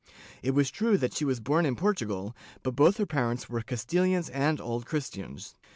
It was true that she was born in Portugal, but both her parents were Castilians and Old Christians.